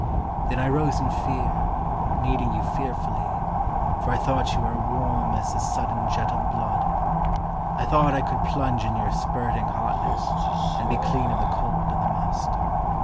Then I rose in fear, needing you fearfully, For I thought you were warm as a sudden jet of blood. I thought I could plunge in your spurting hotness, and be Clean of the cold and the must.